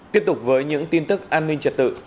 tiếp tục với những tin tức an ninh trật tự